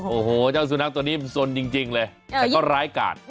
โอ้โหเจ้าสุนัขตัวนี้มันสนจริงเลยแต่ก็ร้ายกาด